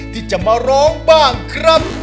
ที่จะมาร้องบ้างครับ